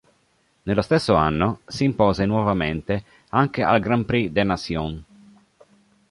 Nello stesso anno si impose nuovamente anche al Grand Prix des Nations.